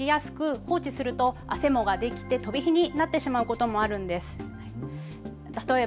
子どもは汗をかきやすく放置するとあせもができてとびひになってしまうこともあるんです。